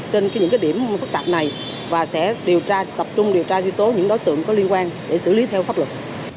trên những điểm phức tạp này và sẽ tập trung điều tra duy tố những đối tượng có liên quan để xử lý theo pháp luật